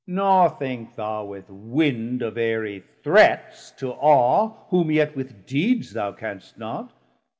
Nor think thou with wind Of airie threats to aw whom yet with deeds Thou canst not.